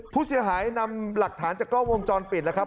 ผู้เสียหายนำหลักฐานจากกล้องวงจรปิดแล้วครับ